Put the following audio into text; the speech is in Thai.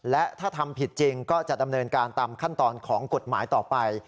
และถ้าทำผิดจริงก็จะดำเนินการตามขั้นตอนของกฎหมายต่อไป